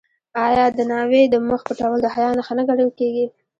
آیا د ناوې د مخ پټول د حیا نښه نه ګڼل کیږي؟